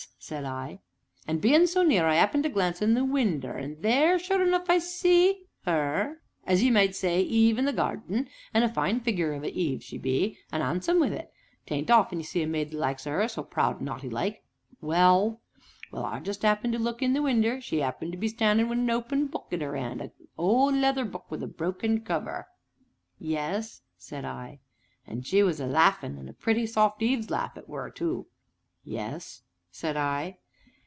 said I. "And, bein' so near, I 'appened to glance in at the winder, and there, sure enough, I see 'er as you might say, Eve in the gardin. And a fine figure of a Eve she be, and 'andsome wi' it 't ain't often as you see a maid the likes o' 'er, so proud and 'aughty like." "Well?" "Well, just as I 'appened to look in at the winder, she 'appened to be standin' wi' an open book in 'er 'and a old, leather book wi' a broken cover." "Yes?" said I. "And she was a laughin' and a pretty, soft, Eve's laugh it were, too." "Yes?" said I.